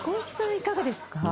いかがですか？